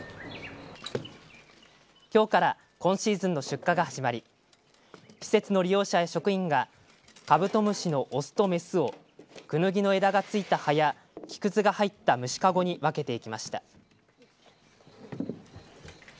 きょうから今シーズンの出荷が始まり施設の利用者や職員がカブトムシの雄と雌をくぬぎの枝が付いた葉や木くずが入った虫かごに分けていきました。